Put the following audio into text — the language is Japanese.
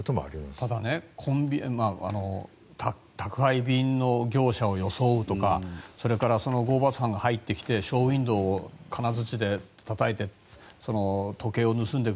ただ宅配便の業者を装うとかそれから強盗犯が入ってきてショーウィンドーを金づちでたたいて時計を盗んでいく。